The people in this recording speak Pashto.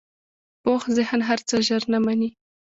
پوخ ذهن هر څه ژر نه منې